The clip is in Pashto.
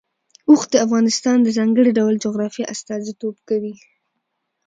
اوښ د افغانستان د ځانګړي ډول جغرافیه استازیتوب کوي.